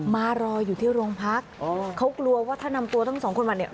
มารออยู่ที่โรงพักเขากลัวว่าถ้านำตัวทั้งสองคนมาเนี่ย